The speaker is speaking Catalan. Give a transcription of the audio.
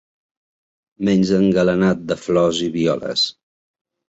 ...menys engalanat de flors i violes